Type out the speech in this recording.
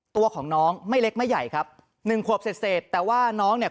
ตัวของน้องไม่เล็กไม่ใหญ่ครับ๑ขวบเศษแต่ว่าน้องเนี่ย